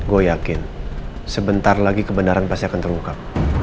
gue yakin sebentar lagi kebenaran pasti akan terungkap